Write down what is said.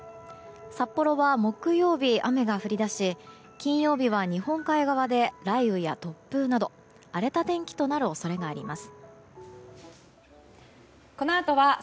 札幌は木曜日、雨が降り出し金曜日は日本海側で雷雨や突風など荒れた天気となる恐れがあります。